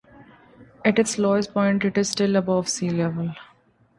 At its lowest point it is still above sea level.